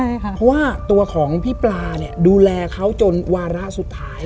เพราะว่าตัวของพี่ปลาเนี่ยดูแลเขาจนวาระสุดท้าย